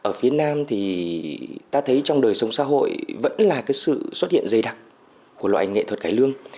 ở phía nam thì ta thấy trong đời sống xã hội vẫn là cái sự xuất hiện dây đặc của loại nghệ thuật cải lương